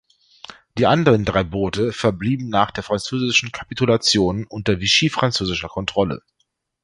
Die anderen drei Boote verblieben nach der französischen Kapitulation unter vichy-französischer Kontrolle.